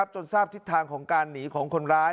จนที่ทางนี้ของการหนีของคนร้าย